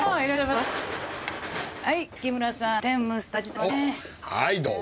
はいどうぞ。